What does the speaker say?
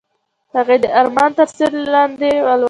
هغې د آرمان تر سیوري لاندې د مینې کتاب ولوست.